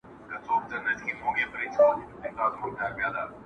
درد او نومونه يو ځای کيږي او معنا بدلېږي،